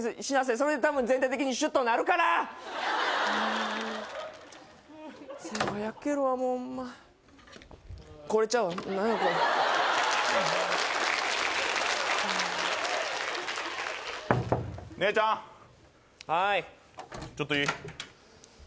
それで多分全体的にシュッとなるから世話焼けるわもうホンマこれちゃうわ何やこれ姉ちゃんはーいちょっといい？